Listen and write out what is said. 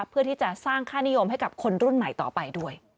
เพื่อที่จะสร้างค่านิยมให้กับคนรุ่นใหม่ต่อไปด้วย